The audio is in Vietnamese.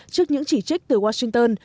trước những chỉ trích từ washington